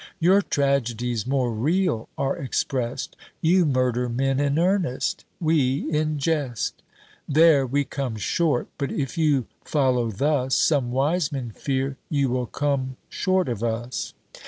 Your tragedies more real are express'd, You murder men in earnest, we in jest: There we come short; but if you follow thus, Some wise men fear you will come short of us.